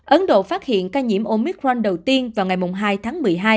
ấn độ phát hiện ca nhiễm omicron đầu tiên vào ngày hai tháng một mươi hai